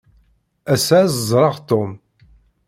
Ass-a, ad ẓreɣ Tom.